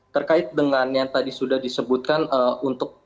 terkait dengan yang tadi sudah disebutkan untuk